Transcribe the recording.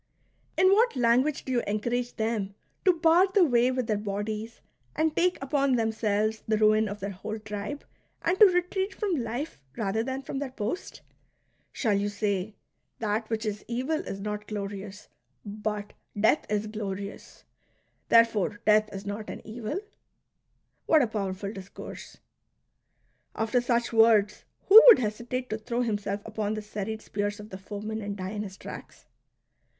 In what language do you en courage them to bar the way with their bodies and take upon themselves the ruin of their whole tribe, and to retreat from life rather than from their post .'' Shall jfou say :" That which is evil is not glorious ; but death is glorious ; therefore death is not an evil ".'' What a powerful discourse ! After such words, who would hesitate to throw himself upon the serried spears of the foemen, and die in his tracks